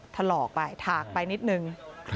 ถลอกไปถากไปนิดนึง